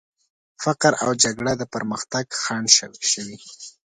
فقر او جګړه د پرمختګ خنډ شوي.